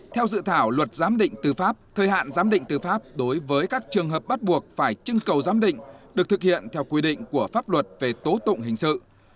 theo dự thảo luật giám định tư pháp thời hạn giám định tư pháp đối với các trường hợp bắt buộc phải trưng cầu giám định được thực hiện theo quy định của pháp luật về tố tụng hình sự